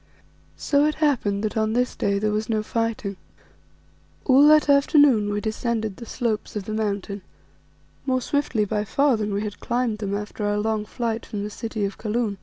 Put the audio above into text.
So it happened that on this day there was no fighting. All that afternoon we descended the slopes of the Mountain, more swiftly by far than we had climbed them after our long flight from the city of Kaloon.